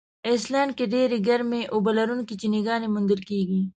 آیسلنډ کې ډېرې ګرمي اوبه لرونکي چینهګانې موندل کیږي.